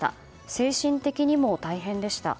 精神的にも大変でした。